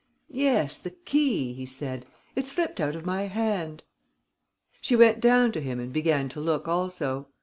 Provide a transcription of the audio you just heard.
"Yes, the key," he said. "It slipped out of my hand." She went down to him and began to look also.